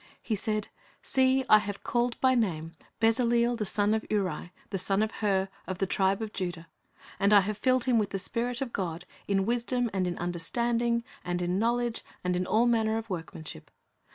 He said, "See, I have called by name Bezaleel the son of Uri, the son of Hur, of the tribe of Judah; and I have filled him with the Spirit of God, in wisdom, and in understanding, and in knowledge, and in all manner of workmanship.